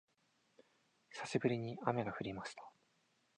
久しぶりに雨が降りました